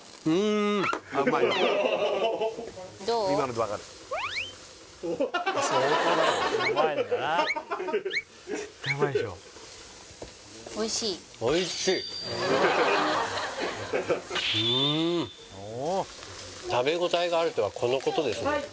うん食べ応えがあるとはこのことですね